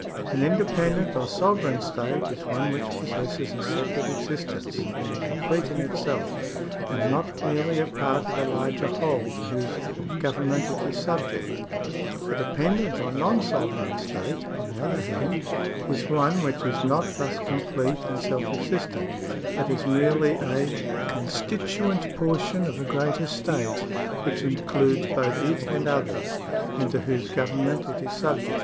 An independent or sovereign state is one which possesses a separate existence, being complete in itself, and not merely a part of a larger whole to whose government it is subject. A dependent or non sovereign state, on the other hand, is one which is not thus complete and self existent, but is merely a 1 The conception of sovereignty is made by many writers the central point in their theory of the state.